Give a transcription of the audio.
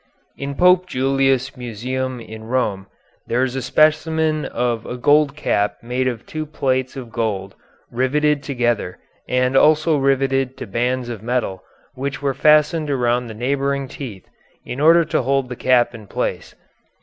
In Pope Julius' Museum in Rome there is a specimen of a gold cap made of two plates of gold riveted together and also riveted to bands of metal which were fastened around the neighboring teeth in order to hold the cap in place.